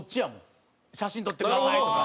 「写真撮ってください」とか。